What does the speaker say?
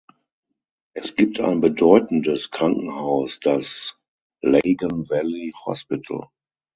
Es gibt ein bedeutendes Krankenhaus, das "Lagan Valley Hospital".